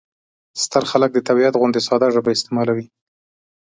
ستر خلک د طبیعت غوندې ساده ژبه استعمالوي.